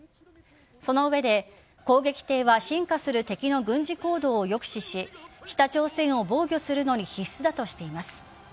その上で攻撃艇は進化する敵の軍事行動を抑止し北朝鮮を防御するのに必須だとしています。